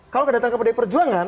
kalau datang ke pdi perjuangan